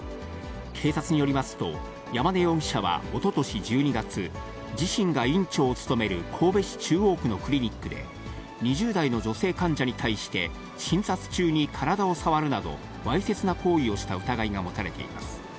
警察によりますと、山根容疑者はおととし１２月、自身が院長を務める神戸市中央区のクリニックで、２０代の女性患者に対して、診察中に体を触るなど、わいせつな行為をした疑いが持たれています。